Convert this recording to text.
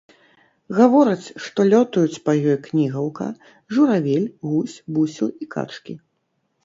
Гавораць, што лётаюць па ёй кнігаўка, журавель, гусь, бусел і качкі.